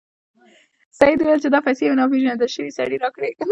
سید وویل چې دا پیسې یو ناپيژندل شوي سړي راکړې.